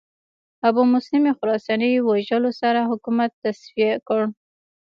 ابومسلم خراساني وژلو سره حکومت تصفیه کړ